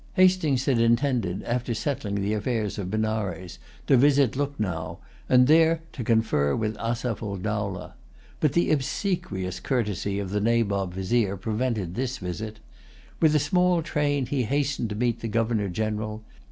[Pg 189] Hastings had intended, after settling the affairs of Benares, to visit Lucknow, and there to confer with Asaph ul Dowlah. But the obsequious courtesy of the Nabob Vizier prevented this visit. With a small train he hastened to meet the Governor General.